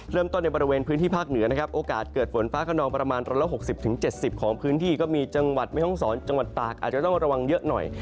ในบริเวณพื้นที่ภาคเหนือนะครับโอกาสเกิดฝนฟ้าขนองประมาณ๑๖๐๗๐ของพื้นที่ก็มีจังหวัดแม่ห้องศรจังหวัดตากอาจจะต้องระวังเยอะหน่อย